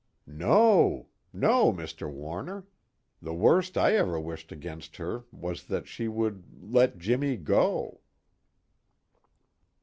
"No. No, Mr. Warner. The worst I ever wished against her was that she would let Jimmy go."